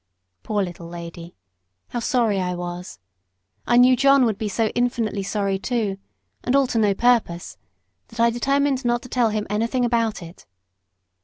Poor little lady! how sorry I was. I knew John would be so infinitely sorry too and all to no purpose that I determined not to tell him anything about it.